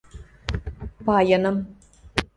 – Пайыным.